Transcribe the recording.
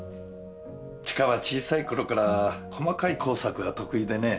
知花は小さいころから細かい工作が得意でね。